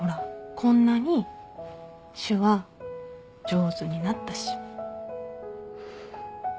こんなに手話上手になったし。